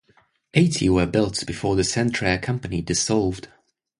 Eighty were built before the Centrair Company dissolved.